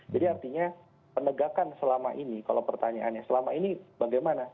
jadi artinya penegakan selama ini kalau pertanyaannya selama ini bagaimana